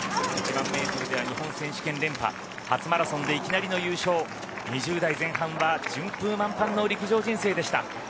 日本選手権連覇初マラソンでいきなりの優勝２０代前半は順風満帆の陸上人生でした。